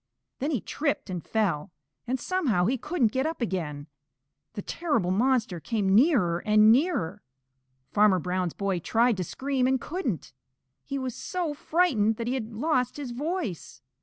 Then he tripped and fell, and somehow he couldn't get up again. The terrible monster came nearer and nearer. Farmer Brown's boy tried to scream and couldn't. He was so frightened that he had lost his voice.